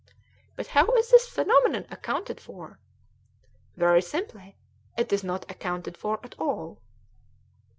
"But how is this phenomenon accounted for?" "Very simply; it is not accounted for at all."